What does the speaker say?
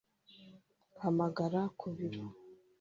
hamagara ku biro